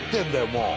もう。